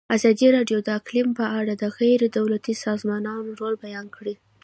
ازادي راډیو د اقلیم په اړه د غیر دولتي سازمانونو رول بیان کړی.